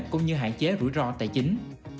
cũng như hạn chế rủi ro tài chính